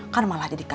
kan malah diberhentiin